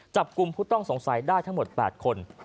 จับกลุ่มผู้ต้องสงสัยได้ทั้งหมด๘คน